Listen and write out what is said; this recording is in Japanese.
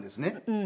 うん。